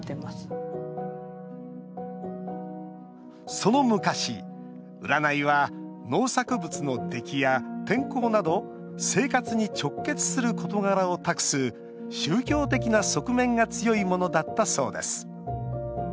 その昔、占いは農作物の出来や天候など生活に直結する事柄を託す宗教的な側面が強いものだったそうです。